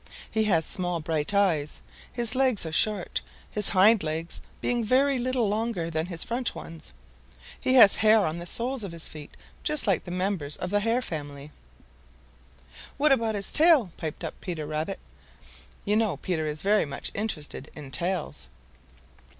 He has small bright eyes. His legs are short, his hind legs being very little longer than his front ones. He has hair on the soles of his feet just like the members of the hare family." "What about his tail?" piped up Peter Rabbit. You know Peter is very much interested in tails.